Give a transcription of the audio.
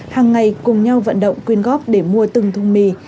hàng ngày cùng nhau vận động quyên góp để mua từng thùng mì